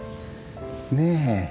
ねえ？